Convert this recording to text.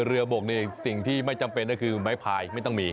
เรือบกสิ่งที่ไม่จำเป็นคือไหม้ไผ่ไม่ต้องมี